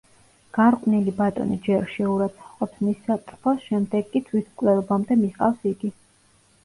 გარყვნილი ბატონი ჯერ შეურაცხყოფს მის სატრფოს, შემდეგ კი თვითმკვლელობამდე მიჰყავს იგი.